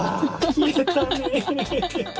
消えたね！